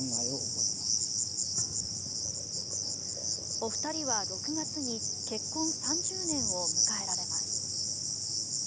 お二人は６月に結婚３０年を迎えられます。